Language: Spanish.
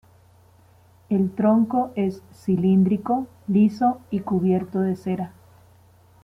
El tronco es cilíndrico, liso y cubierto de cera.